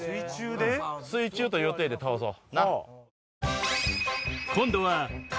水中という体で倒そう。